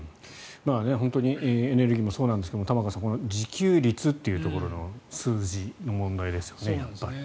本当にエネルギーもそうなんですが玉川さん自給率っていうところの数字の問題ですよね。